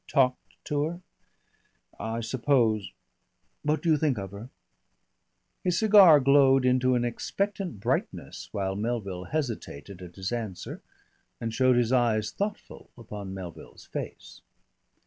"Talked to her?... I suppose What do you think of her?" His cigar glowed into an expectant brightness while Melville hesitated at his answer, and showed his eyes thoughtful upon Melville's face.